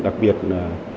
đặc biệt là